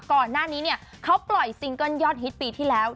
ก่อนหน้านี้เนี่ยเขาปล่อยซิงเกิ้ลยอดฮิตปีที่แล้ว